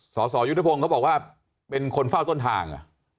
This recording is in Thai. สสยุทธพงศ์เขาบอกว่าเป็นคนเฝ้าต้นทาง